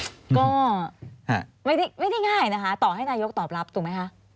ก็ไม่ได้ง่ายนะคะต่อให้นายกตอบรับถูกไหมคะ